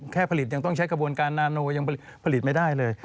แค่ผลิตยังต้องใช้กระบวนการนาโนยังผลิตไม่ได้เลย